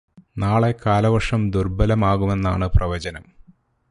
നാളെ കാലവര്ഷം ദുര്ബലമാകുമെന്നാണ് പ്രവചനം.